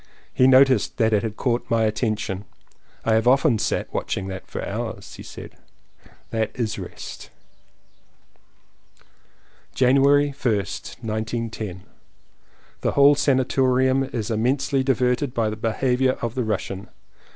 He noticed that it had caught my attention. "I have often sat watching that for hours," he said. "That is rest." January 1st, 1910. The whole sanatorium is immensely di verted by the behaviour of the Russian.